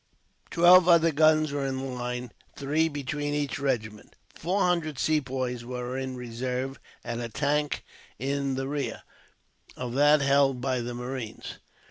Twelve other guns were in line, three between each regiment. Four hundred Sepoys were in reserve, at a tank in rear of that held by the marines.